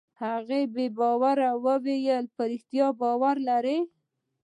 هغه په بې باورۍ وویل: په رښتیا باور لرې؟